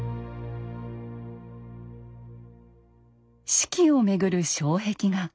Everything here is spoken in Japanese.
四季を巡る障壁画。